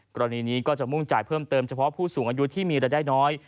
กรณีนี้ก็จะมุ่งจ่ายเพิ่มเติมเฉพาะผู้สูงอายุที่มีรายได้น้อย